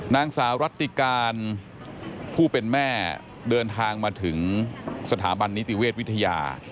นางสาวรัติการผู้เป็นแม่เดินทางมาถึงสถาบันนิติเวชวิทยา